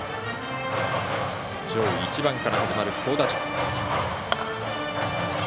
上位１番から始まる好打順。